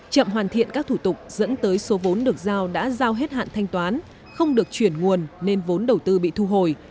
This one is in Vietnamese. chậm hoàn thiện các thủ tục dẫn tới số vốn được giao đã giao hết hạn thanh toán không được chuyển nguồn nên vốn đầu tư bị thu hồi